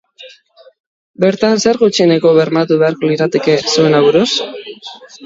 Bertan zer gutxieneko bermatu beharko lirateke, zuen aburuz?